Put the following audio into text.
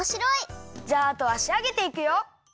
じゃああとはしあげていくよ！